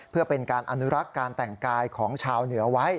เพื่อเป็นการอนุรักษ์การแต่งกายของชาวเหนือไว้